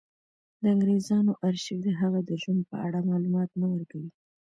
د انګرېزانو ارشیف د هغه د ژوند په اړه معلومات نه ورکوي.